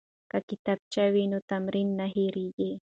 که کتابچه وي نو تمرین نه هیریږي.